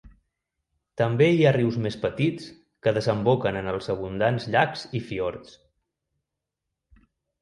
També hi ha rius més petits que desemboquen en els abundants llacs i fiords.